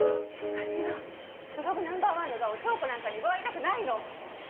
私はブログナンバー１の座を紹子なんかに奪われたくないの。